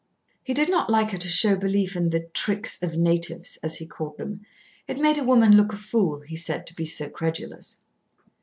He did not like her to show belief in the "tricks of the natives," as he called them. It made a woman look a fool, he said, to be so credulous.